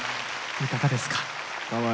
いかがですか？